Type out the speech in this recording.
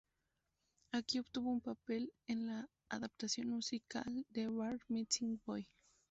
Aquí obtuvo un papel en la adaptación musical de "Bar Mitzvah Boy".